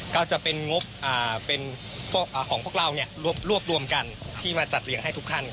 ก็จะเป็นงบของพวกเรารวบรวมกันที่มาจัดเลี้ยงให้ทุกท่าน